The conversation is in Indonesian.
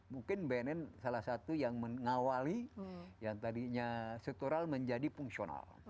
mungkin bnn salah satu yang mengawali yang tadinya struktural menjadi fungsional